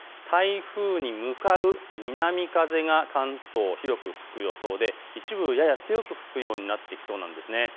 台風に向かう南風が関東、広く吹く予想で一部やや強く吹くようになってきそうです。